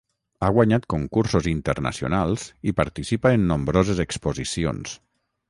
Ha guanyat concursos internacionals i participa en nombroses exposicions.